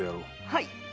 はい！